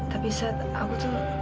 tapi sat aku tuh